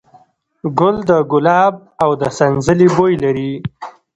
ګل د ګلاب او د سنځلې بوی لري.